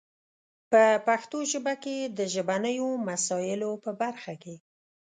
په پښتو ژبه کې د ژبنیو مسایلو په برخه کې